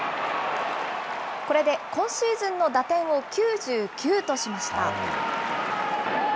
これで今シーズンの打点を９９としました。